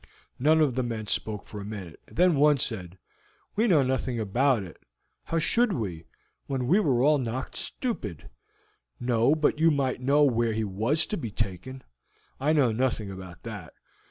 None of the men spoke for a minute, and then one said: "We know nothing about it; how should we, when we were all knocked stupid?" "No, but you might know where he was to be taken." "I know nothing about that.